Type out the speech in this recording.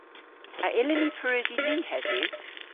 A yllyn ni pareusi li hedhyw?